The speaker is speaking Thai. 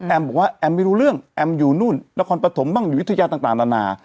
บอกว่าแอมไม่รู้เรื่องแอมอยู่นู่นนครปฐมบ้างอยู่วิทยาต่างนานา